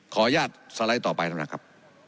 ขออนุญาตสไลด์ต่อไปนะครับ